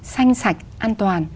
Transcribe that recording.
xanh sạch an toàn